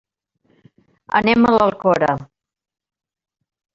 Anem a l'Alcora.